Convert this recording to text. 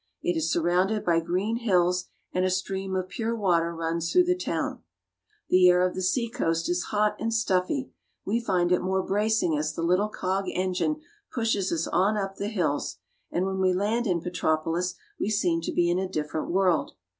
It is surrounded by green hills, and a stream of pure water runs through the town. The air of the seacoast is hot and stuffy. We find it more bracing as the little cog engine pushes us on up the hills, and when we land in Petropolis we seem to be in a different world.